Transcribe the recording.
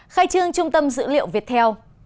khai trương trung tâm dữ liệu viettel